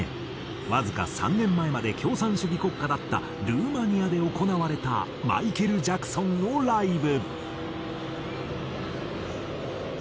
わずか３年前まで共産主義国家だったルーマニアで行われたマイケル・ジャクソンのライブ。